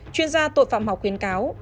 chuyên gia tội phạm học khuyến cáo